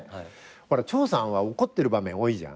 ほら長さんは怒ってる場面多いじゃん？